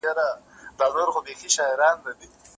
ماته مه تویوه اوښکي زما له اور سره خپلوي ده